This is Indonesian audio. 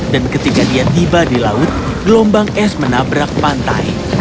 dan ketika dia tiba di laut gelombang es menabrak pantai